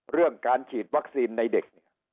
เรื่องการฉีดวัคซีนในเด็ก